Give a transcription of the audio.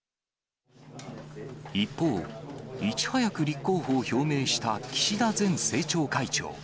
一方、いち早く立候補を表明した岸田前政調会長。